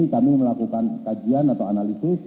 kami melakukan kajian atau analisis